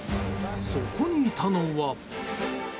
そこにいたのは。